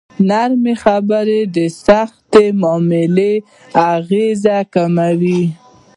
نرمې خبرې د سختې معاملې اغېز کموي.